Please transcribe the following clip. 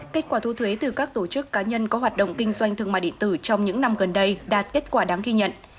kết quả thu thuế từ các tổ chức cá nhân có hoạt động kinh doanh thương mại điện tử trong những năm gần đây đạt kết quả đáng ghi nhận